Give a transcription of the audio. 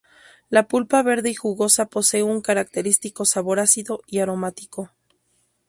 La pulpa verde y jugosa posee un característico sabor ácido y aromático.